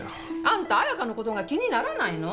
あんた彩香のことが気にならないの？